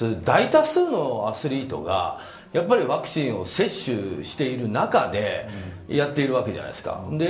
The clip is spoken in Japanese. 大多数のアスリートがワクチンを接種している中でやっているわけじゃないですか。